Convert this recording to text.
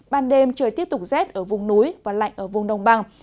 ban đêm trời tiếp tục rét ở vùng núi và lạnh ở vùng đồng bằng